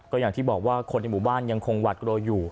ก็อย่างที่บอกว่าคนในหมู่บ้านยังคงหวัดกลัวอยู่